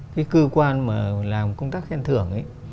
cái cơ quan mà làm công tác khen thưởng ấy